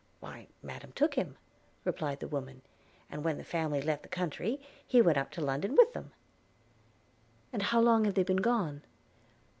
– 'Why, Madam took him,' replied the woman, 'and when the family left the country, he went up to London with them' – 'And how long have they been gone?'